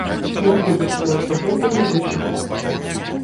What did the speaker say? Нягледзячы на ўсё гэта, мы выжылі.